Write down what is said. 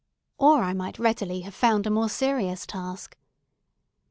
Or I might readily have found a more serious task.